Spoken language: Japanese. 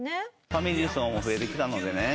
ファミリー層も増えてきたのでね